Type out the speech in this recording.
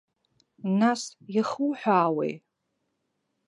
Нас, иахуҳәаауеи?